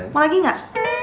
mau lagi gak